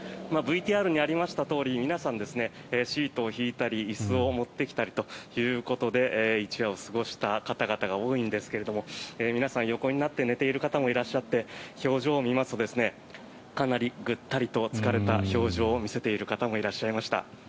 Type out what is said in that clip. ＶＴＲにありましたとおり皆さん、シートを敷いたり椅子を持ってきたりということで一夜を過ごした方々が多いんですが皆さん、横になって寝ている方もいらっしゃって表情を見ますとかなりぐったりと疲れた表情を見せている方もいらっしゃいました。